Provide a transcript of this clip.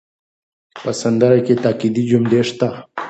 په سندره کې تاکېدي جملې شته.